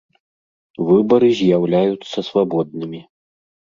Выбары з’яўляюцца свабоднымі.